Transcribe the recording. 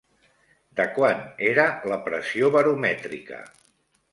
De quant era la pressió baromètrica?